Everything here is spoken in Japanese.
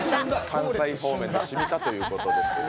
関西方面でしみたということですが。